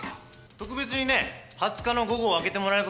特別にね２０日の午後をあけてもらえることになった。